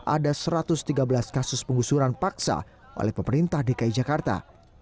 ada satu ratus tiga belas kasus penggusuran paksa oleh pemerintah dki jakarta